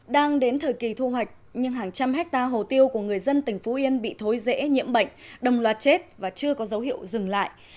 đang đến thời kỳ thu hoạch nhưng hàng trăm hectare hồ tiêu của người dân tỉnh phú yên bị thối dễ nhiễm bệnh đồng loạt chết và chưa có dấu hiệu dừng lại